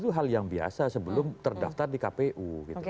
itu hal yang biasa sebelum terdaftar di kpu